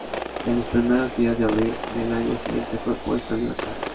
En los primeros días de Abril del año siguiente fue puesto en libertad.